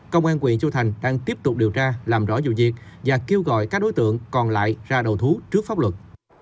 công an huyện châu thành đang tiếp tục điều tra làm rõ dù diệt và kêu gọi các đối tượng còn lại ra đầu thú trước pháp luật